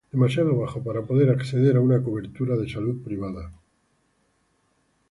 Demasiado bajo para poder acceder a una cobertura de salud privada